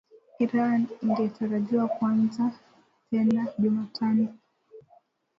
Iran ingetarajiwa kuanza tena Jumatano